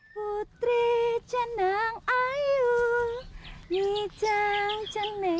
putri jenang ayu nijang jeneng jumlah